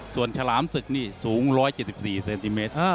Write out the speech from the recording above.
ส่วนฉลามศึกนี่สูง๑๗๔เซนติเมตร